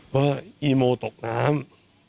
ว่าอีโมตกน้ำ